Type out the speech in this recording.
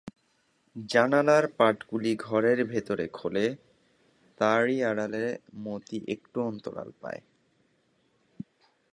জানালার পাটগুলি ঘরের ভিতরে খোলে, তারই আড়ালে মতি একটু অন্তরাল পায়।